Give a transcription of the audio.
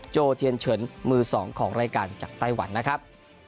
เทียนเฉินมือ๒ของรายการจากไต้หวันนะครับ